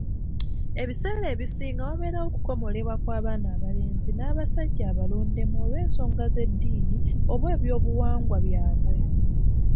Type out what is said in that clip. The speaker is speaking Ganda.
Ebiseera ebisinga wabeerawo okukomolebwa kw'abaana abalenzi n'abasajja abalondemu olw'ensonga z'eddiini oba ebyobuwangwa byabwe